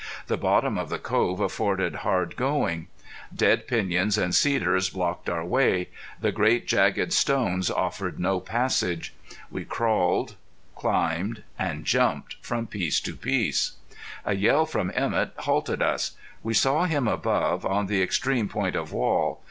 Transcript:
The bottom of the cove afforded hard going. Dead piñons and cedars blocked our way; the great, jagged stones offered no passage. We crawled, climbed, and jumped from piece to piece. A yell from Emett halted us. We saw him above, on the extreme point of wall.